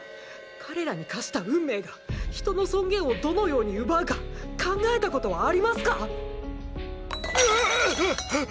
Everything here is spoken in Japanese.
彼らに課した運命が人の尊厳をどのように奪うか考えたことはありますか⁉うぅっ！